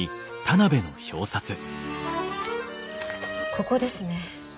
ここですね。